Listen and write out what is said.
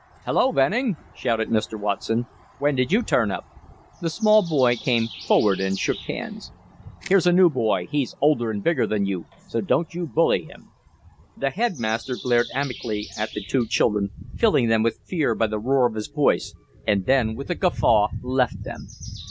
"Hulloa, Venning," shouted Mr. Watson. "When did you turn up?" The small boy came forward and shook hands. "Here's a new boy. He's older and bigger than you, so don't you bully him." The headmaster glared amicably at the two children, filling them with fear by the roar of his voice, and then with a guffaw left them.